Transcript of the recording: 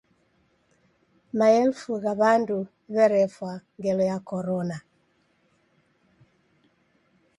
Maelfu gha w'andu w'erefwa ngelo ya Korona.